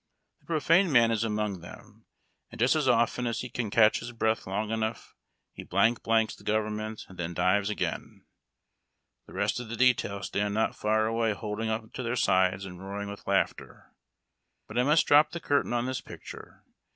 The profane man is among them, and just as often as he can catch his breath long enough he blank blanks the government and then dives again. The rest of the detail stand not far away holding on to their sides and roaring with laughter. But I must drop the curtain on this picture.